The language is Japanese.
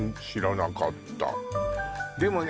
でもね